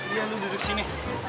iya lo duduk sini